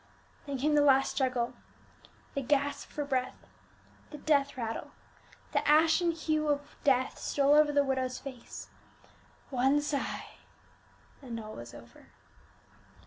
Then came the last struggle, the gasp for breath, the death rattle; the ashen hue of death stole over the widow's face, one sigh and all was over.